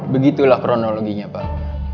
begitulah kronologinya pak